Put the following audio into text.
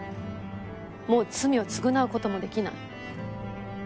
もう罪を償う事もできない。